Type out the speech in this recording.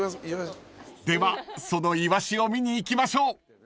［ではそのイワシを見に行きましょう］